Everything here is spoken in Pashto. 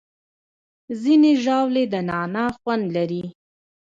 ځینې ژاولې د نعناع خوند لري.